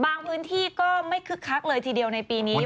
พื้นที่ก็ไม่คึกคักเลยทีเดียวในปีนี้